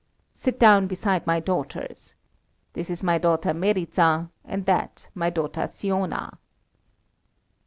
Sit down beside my daughters. This is my daughter Meryza, and that my daughter Siona."